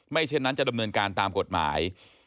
เช่นนั้นจะดำเนินการตามกฎหมาย